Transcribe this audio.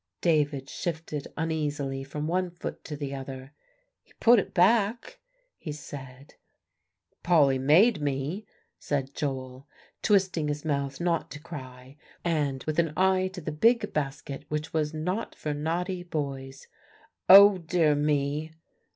David shifted uneasily from one foot to the other. "He put it back," he said. "Polly made me," said Joel, twisting his mouth not to cry, and with an eye to the big basket, which was not for naughty boys. "Oh, dear me!"